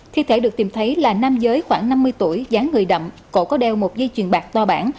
thi thể được tìm thấy là nam giới khoảng năm mươi tuổi dán người đậm cổ có đeo một dây chuyền bạc to bản